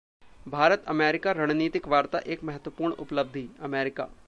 भारत-अमेरिका रणनीतिक वार्ता एक महत्वपूर्ण उपलब्धि: अमेरिका